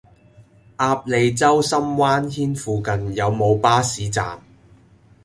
鴨脷洲深灣軒附近有無巴士站？